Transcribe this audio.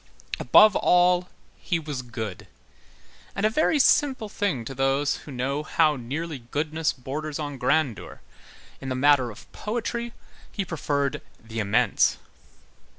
Above all, he was good; and, a very simple thing to those who know how nearly goodness borders on grandeur, in the matter of poetry, he preferred the immense.